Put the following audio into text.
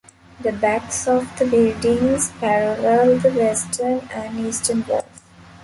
The backs of the buildings parallel the western and eastern walls.